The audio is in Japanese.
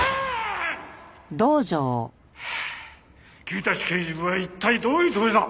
君たち刑事部は一体どういうつもりだ！？